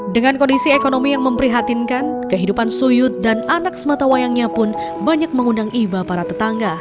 dengan kondisi ekonomi yang memprihatinkan kehidupan suyut dan anak sematawayangnya pun banyak mengundang iba para tetangga